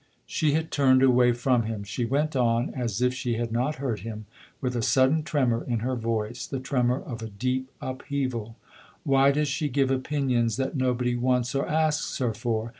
She had turned away from him. She went on, as if she had not heard him, with a sudden tremor in her voice the tremor of a deep upheaval :" Why does she give opinions that nobody wants or asks her for